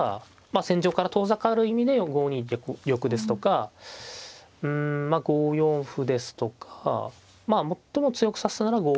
戦場から遠ざかる意味で５二玉ですとか５四歩ですとか最も強く指すなら５